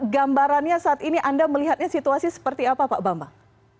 gambarannya saat ini anda melihatnya situasi seperti apa pak bambang